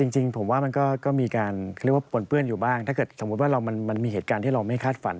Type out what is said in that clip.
จริงผมว่ามันก็มีการเรียกว่าปนเปื้อนอยู่บ้างถ้าเกิดสมมุติว่ามันมีเหตุการณ์ที่เราไม่คาดฝัน